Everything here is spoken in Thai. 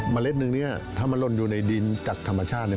เมล็ดหนึ่งนี่ถ้ามันลนอยู่ในดินจากธรรมชาติ